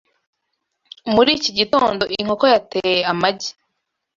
Muri iki gitondo, inkoko yateye amagi.